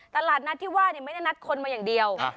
ตลาดนัดที่ว่าไม่ได้นัดคนมาอย่างเดียว